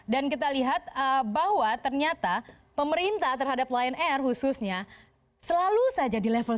dan kita lihat bahwa ternyata pemerintah terhadap line air khususnya selalu saja di level satu